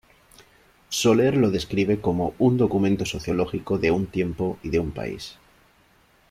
Soler lo describe como "un documento sociológico de un tiempo y de un país".